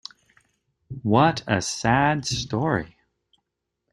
What a sad story.